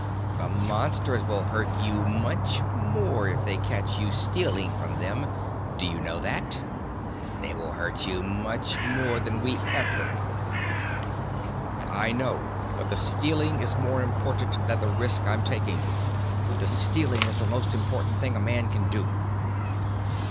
"The Monsters will hurt you much more if they catch you stealing from them, do you know that? They will hurt you much more than we ever could." "I know. But the stealing is more important than the risk I'm taking. The stealing is the most important thing a man can do."